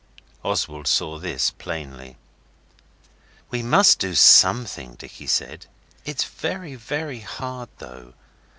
Oswald saw this plainly. 'We must do something,' Dicky said; 'it's very very hard, though.